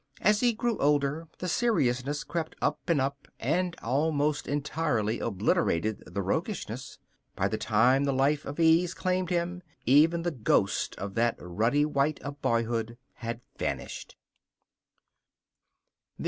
As he grew older, the seriousness crept up and up and almost entirely obliterated the roguishness. By the time the life of ease claimed him, even the ghost of that ruddy wight of boyhood had vanished.